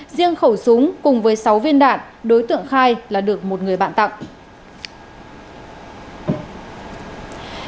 riêng khẩu súng cùng với sáu viên đạn đối tượng khai là được một người bạn tặng